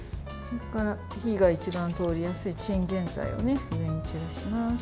それから、火が一番通りやすいチンゲンサイを上に散らします。